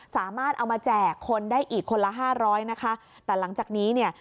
สามารถเอามาแจกคนได้อีกคนละห้าร้อยนะคะแต่หลังจากนี้เนี่ย